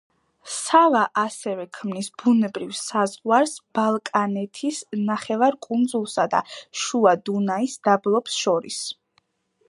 სავა ასევე ქმნის ბუნებრივ საზღვარს ბალკანეთის ნახევარკუნძულსა და შუა დუნაის დაბლობს შორის.